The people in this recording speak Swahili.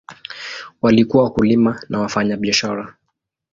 Walikuwa wakulima na wafanyabiashara.